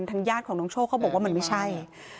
ญาติของน้องโชคเขาบอกว่ามันไม่ใช่